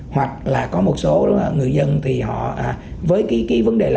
hoặc là có một số người dân thì họ với cái vấn đề lãi suất hiện nay huy động đang rất là thấp